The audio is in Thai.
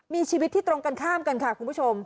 มีชีวิตที่ตรงกันข้ามกันค่ะคุณผู้ชม